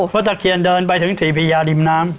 วัดตะเคียนเดินไปถึงสิบพิญาณริมน้ำ